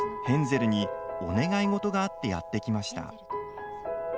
ヘンゼルにお願い事があってやって来ました。